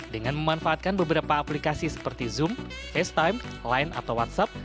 dengan memanfaatkan beberapa aplikasi seperti zoom face time line atau whatsapp